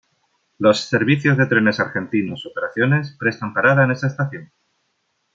Los servicios de Trenes Argentinos Operaciones prestan parada en esta estación.